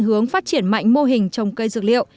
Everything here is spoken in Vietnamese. hướng phát triển mạnh mô hình trồng cây dược liệu